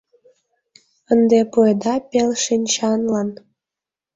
Ынде пуэда пелшинчанлан.